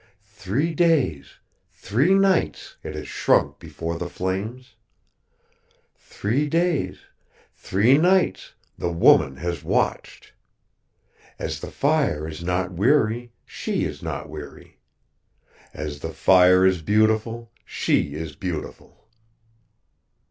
Three days, three nights, it has shrunk before the flames. Three days, three nights, the woman has watched. As the fire is not weary, she is not weary. As the fire is beautiful, she is beautiful.